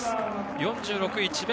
４６位、智弁